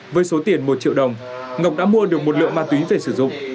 với số tiền một triệu đồng ngọc đã mua được một lượng ma túy về sử dụng